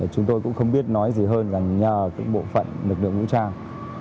chúng tôi cũng không biết nói gì hơn là nhờ bộ phận lực lượng vũ trang